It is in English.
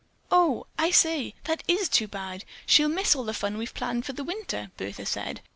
"Oh, I say, that is too bad! She'll miss all the fun we've planned for this winter," Bertha said.